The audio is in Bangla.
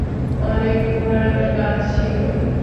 অনেক পুরানো গাছ ছিল।